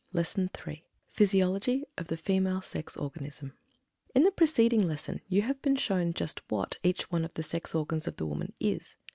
LESSON III PHYSIOLOGY OF THE FEMALE SEX ORGANISM In the preceding lesson you have been shown "just what" each one of the sex organs of the woman IS.